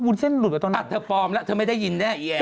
วุ้นเส้นหลุดว่าตอนไหน